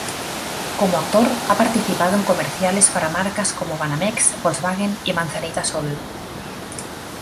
Como actor ha participado en comerciales para marcas como Banamex, Volkswagen y Manzanita Sol.